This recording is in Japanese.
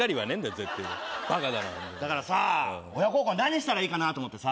絶対にバカだなホントにだからさ親孝行は何したらいいかなと思ってさ